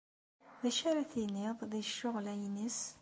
D acu ara tiniḍ di ccɣel-a-ines?